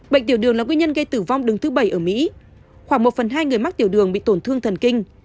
bệnh tiểu đường là nguyên nhân gây tử vong đứng thứ bảy ở mỹ khoảng một phần hai người mắc tiểu đường bị tổn thương thần kinh